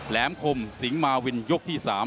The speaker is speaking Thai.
แหมคมสิงหมาวินยกที่๓